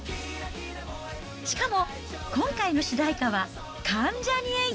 しかも、今回の主題歌は関ジャニ∞。